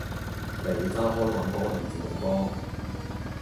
你揸開棍波定自動波？